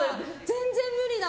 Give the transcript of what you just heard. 全然無理だ。